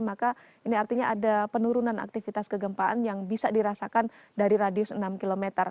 maka ini artinya ada penurunan aktivitas kegempaan yang bisa dirasakan dari radius enam km